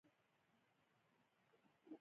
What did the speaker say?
تصمیم نیونه او د اجنډا لیږل.